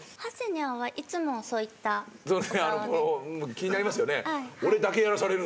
気になりますよね？